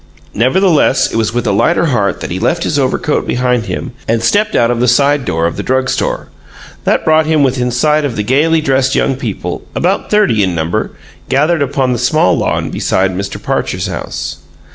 Nevertheless, it was with a lighter heart that he left his overcoat behind him and stepped out of the side door of the drug store. That brought him within sight of the gaily dressed young people, about thirty in number, gathered upon the small lawn beside Mr. Parcher's house.